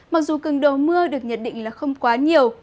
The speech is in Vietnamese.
mặc dù cường độ mưa được nhận định là không quá nhiều